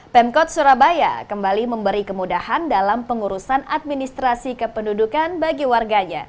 pemkot surabaya kembali memberi kemudahan dalam pengurusan administrasi kependudukan bagi warganya